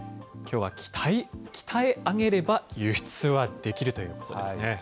きょうは、鍛え上げれば輸出はできる！ということなんですね。